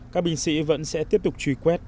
các binh sĩ vẫn sẽ tiếp tục truy quét